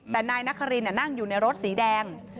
แต่นายนครินนั่งอยู่ในรถสีแดง